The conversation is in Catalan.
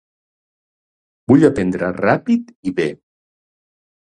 Vull aprendre ràpid i bè.